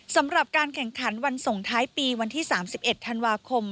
สำหรับการแข่งขันวันส่งท้ายปีวันที่๓๑ธันวาคม